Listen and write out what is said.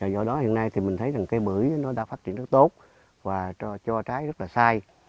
do đó hiện nay thì mình thấy rằng cây bưởi nó đã phát triển rất tốt và cho trái rất là sai